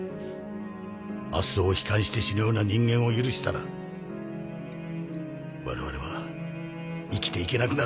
明日を悲観して死ぬような人間を許したら我々は生きていけなくなるんだ。